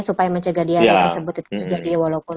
supaya mencegah diare